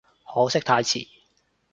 可惜太遲